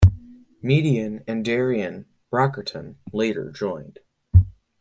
Median and Darien Brockington later joined.